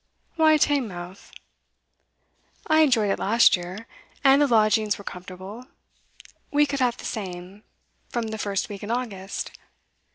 'Why Teignmouth?' 'I enjoyed it last year. And the lodgings were comfortable. We could have the same, from the first week in August.